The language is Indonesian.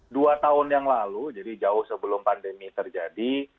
dua tahun yang lalu jadi jauh sebelum pandemi terjadi